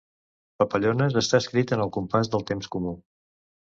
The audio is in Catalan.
Papallones està escrit en el compàs del temps comú.